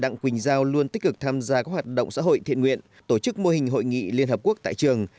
đặng quỳnh giao luôn tích cực tham gia các hoạt động xã hội thiện nguyện tổ chức mô hình hội nghị liên hợp quốc tại trường